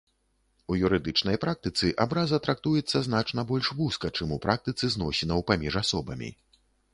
У юрыдычнай практыцы абраза трактуецца значна больш вузка, чым у практыцы зносінаў паміж асобамі.